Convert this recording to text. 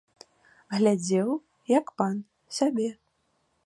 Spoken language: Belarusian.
Глядзеў, як пан, сабе.